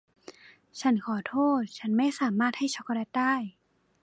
ฉันขอโทษฉันไม่สามารถให้ช็อกโกแลตได้